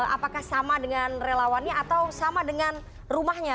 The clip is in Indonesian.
apakah sama dengan relawannya atau sama dengan rumahnya